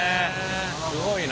すごいな。